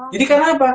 jadi karena apa